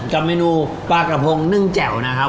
กับเมนูปลากระพงนึ่งแจ่วนะครับ